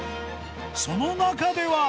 その中では。